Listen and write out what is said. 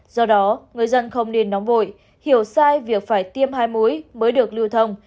do đó người dân không nên nóng vội hiểu sai việc phải tiêm hai mũi mới được lưu thông